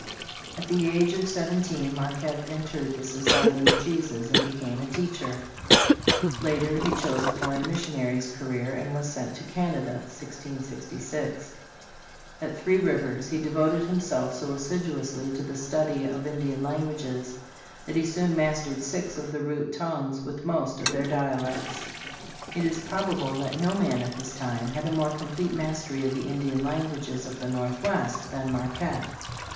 At the age of seventeen, Marquette entered the Society of Jesus and became a teacher. Later he chose a foreign missionary's career, and was sent to Canada (1666). At Three Rivers he devoted himself so assiduously to the study of Indian languages that he soon mastered six of the root tongues, with most of their dialects. It is probable that no man of his time had a more complete mastery of the Indian languages of the Northwest than Marquette.